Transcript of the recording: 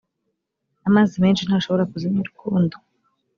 amazi menshi ntashobora kuzimya urukundo